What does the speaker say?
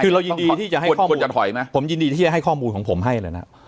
คือเรายินดีที่จะให้ข้อมูลของผมให้เลยนะครับ